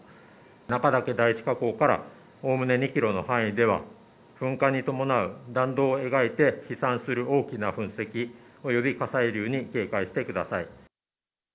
中岳第１火口からおおむね２キロの範囲では、噴火に伴う弾道を描いて飛散する大きな噴石、および火砕流に警戒してください。